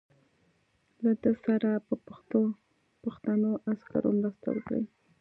له ده سره به پښتنو عسکرو مرسته وکړي.